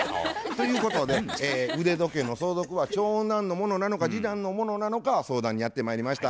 ということで腕時計の相続は長男のものなのか次男のものなのか相談にやってまいりました。